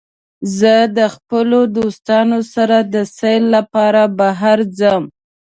زه د خپلو دوستانو سره د سیل لپاره بهر ځم.